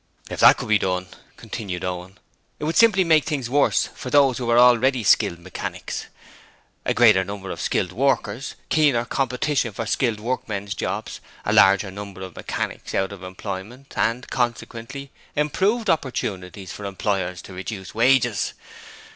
'If that could be done,' continued Owen, 'it would simply make things worse for those who are already skilled mechanics. A greater number of skilled workers keener competition for skilled workmen's jobs a larger number of mechanics out of employment, and consequently, improved opportunities for employers to reduce wages.